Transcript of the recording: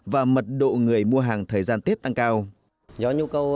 và mật độ người mua hàng thời gian tết tăng cao